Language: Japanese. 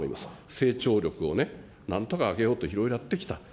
成長力をね、なんとか上げようといろいろやってきた。